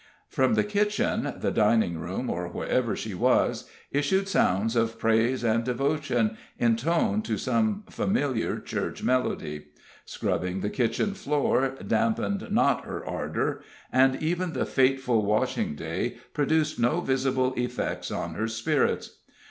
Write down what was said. From the kitchen, the dining room, or wherever she was, issued sounds of praise and devotion, intoned to some familiar church melody. Scrubbing the kitchen floor dampened not her ardor, and even the fateful washing day produced no visible effects on her spirits.